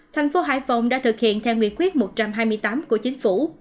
tp hải phòng đã thực hiện theo nguyên quyết một trăm hai mươi tám của chính phủ